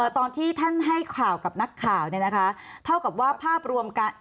ตอนที่ท่านให้ข่าวกับนักข่าวเนี่ยนะคะเท่ากับว่าภาพรวมกัน